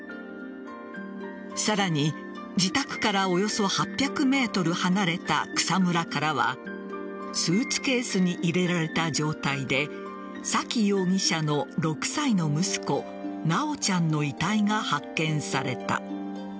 さらに、自宅からおよそ８００ｍ離れた草むらからはスーツケースに入れられた状態で沙喜容疑者の６歳の息子修ちゃんの遺体が発見された。